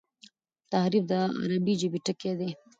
تحریف د عربي ژبي ټکی دﺉ.